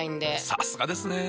さすがですね。